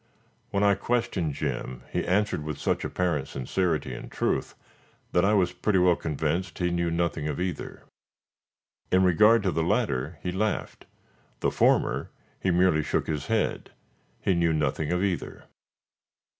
When I questioned Jim, he answered with such apparent sincerity and truth, that I was pretty well convinced he knew nothing of either. In regard to the latter he laughed; the former he merely shook his head; he knew nothing of either.